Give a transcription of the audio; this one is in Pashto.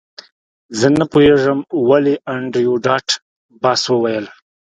زه نه پوهیږم ولې انډریو ډاټ باس وویل